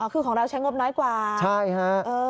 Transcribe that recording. อ๋อคือของเราใช้งบน้อยกว่าเออใช่ค่ะ